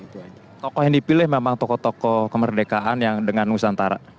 tokoh yang dipilih memang tokoh tokoh kemerdekaan yang dengan nusantara